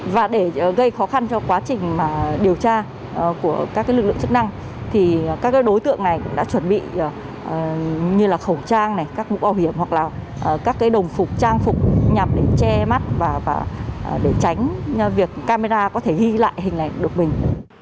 và để gây khó khăn cho quá trình điều tra của các lực lượng chức năng thì các đối tượng này cũng đã chuẩn bị như là khẩu trang này các mũ bảo hiểm hoặc là các cái đồng phục trang phục nhằm che mắt và để tránh việc camera có thể ghi lại hình ảnh được mình